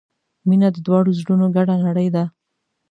• مینه د دواړو زړونو ګډه نړۍ ده.